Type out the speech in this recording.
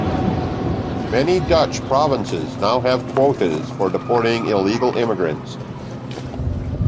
Many Dutch provinces now have quotas for deporting illegal immigrants.